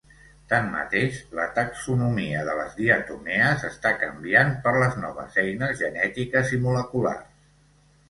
Tanmateix, la taxonomia de les diatomees està canviant per les noves eines genètiques i moleculars.